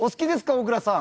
大倉さん。